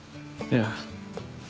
いや。